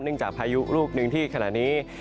จากพายุลูกหนึ่งที่ขณะนี้